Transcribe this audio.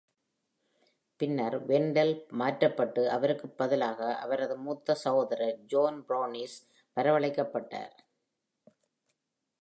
பின்னர் Wendell மாற்றப்பட்டு அவருக்கு பதிலாக அவரது மூத்த சகோதரர் John Brunious வரவழைக்கப்பட்டார்.